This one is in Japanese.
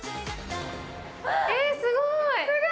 えーすごい。